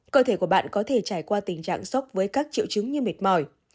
cơ thể của bạn có thể trải qua tình trạng sóc với các triệu trứng như mệt mỏi